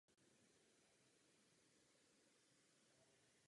Stanovil tak nový rekord největší sledovanosti pro hudební film.